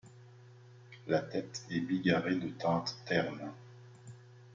La tête est bigarrée de teintes ternes.